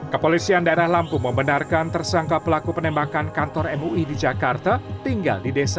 kepolisian daerah lampung membenarkan tersangka pelaku penembakan kantor mui di jakarta tinggal di desa